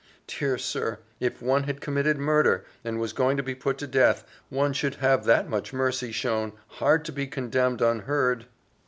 Dear sir, if one had committed murder, and was going to be put to death, one should have that much mercy shown hard to be condemned unheard."